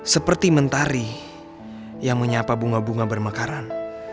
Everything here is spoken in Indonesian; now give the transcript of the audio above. seperti mentari yang menyapa bunga bunga bermekaran